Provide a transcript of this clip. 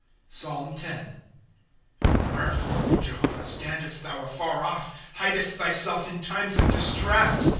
PSALM X. ^ Wherefore, Jehovah, standest thou afar off, Hidest thyself in times of distress?